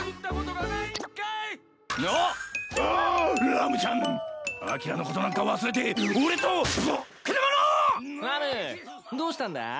ラムどうしたんだ？